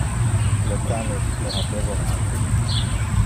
Le canes le ha devorate.